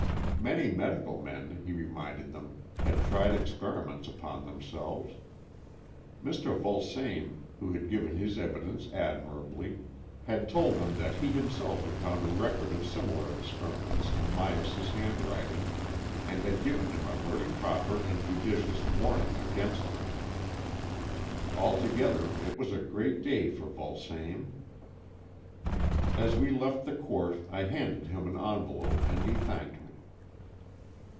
Many medical men, he reminded them, had tried experiments upon them selves. Mr. Vulsame, who had given his evidence admirably, had told them that he himself had found a record of similar experi ments in Myas's handwriting, and had given him a very proper and judicious warning against them. Altogether it was a great day for Vulsame. As we left the court, I handed him an envelope, and he thanked me.